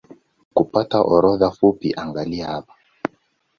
Kupata orodha fupi angalia hapa